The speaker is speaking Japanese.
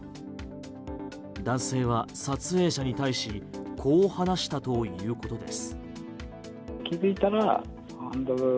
男性は撮影者に対しこう話したということです。